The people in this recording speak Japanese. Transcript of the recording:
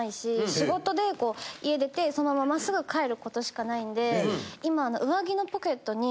仕事でこう家出てそのまますぐ帰ることしかないんで今。